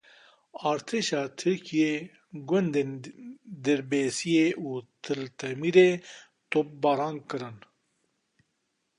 Artêşa Tirkiyê gundên Dirbêsiyê û Til Temirê topbaran kirin.